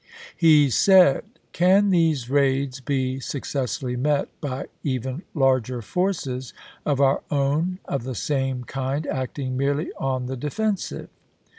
He said :" Can these raids be successfully met by even larger forces of our own of the same kind acting merely on the defen sive